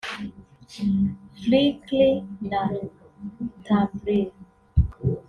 Flickr na Tumblr